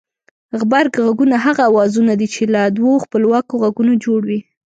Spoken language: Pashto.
غبرگ غږونه هغه اوازونه دي چې له دوو خپلواکو غږونو جوړ وي